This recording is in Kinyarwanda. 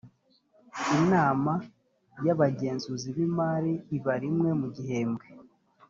inama y’abagenzuzi b’imari iba rimwe mu gihembwe